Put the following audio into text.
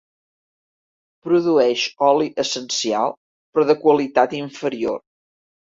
Produeix oli essencial però de qualitat inferior.